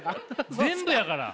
全部やから！